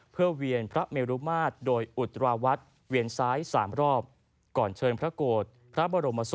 เกี่ยวเวียนพระเมรุมาตย์โดยอุตราวัสธ์